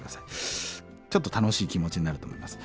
ちょっと楽しい気持ちになると思います。